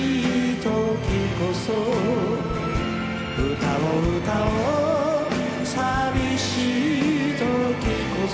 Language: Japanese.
「歌を歌おう悲しいときこそ」